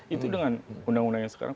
itu dengan undang undang yang sekarang